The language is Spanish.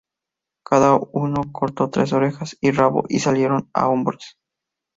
Cada uno cortó tres orejas y rabo y salieron a hombros.